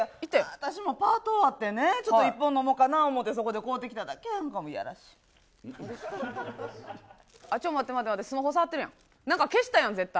私もパート終わってね、ちょっと一本飲もうかなおもてそこで買うてきただけやんか、あっ、ちょっと待って待って、スマホ触ってるやん、なんか消してるやん。